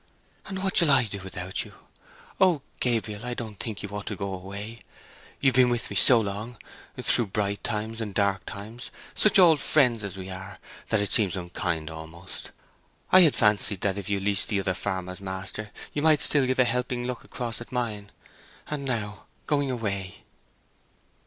"And what shall I do without you? Oh, Gabriel, I don't think you ought to go away. You've been with me so long—through bright times and dark times—such old friends as we are—that it seems unkind almost. I had fancied that if you leased the other farm as master, you might still give a helping look across at mine. And now going away!"